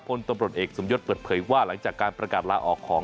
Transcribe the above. พลตำรวจเอกสมยศเปิดเผยว่าหลังจากการประกาศลาออกของ